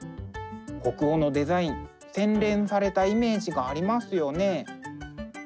北欧のデザイン洗練されたイメージがありますよね。